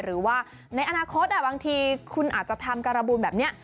หรือว่าในอนาคตบางทีคุณอาจจะทำการบูลแบบนี้